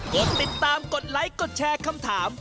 กดติดตามกดไลค์กดแชร์คำถาม